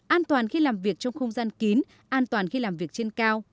an toàn khi làm việc trong không gian kín an toàn khi làm việc trên cao